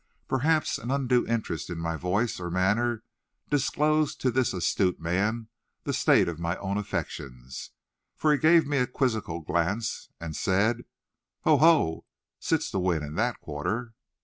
Perhaps an undue interest in my voice or manner disclosed to this astute man the state of my own affections, for he gave me a quizzical glance, and said, "O ho! sits the wind in that quarter?"